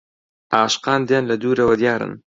عاشقان دێن لە دوورەوە دیارن